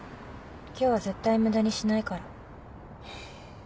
今日は絶対無駄にしないから。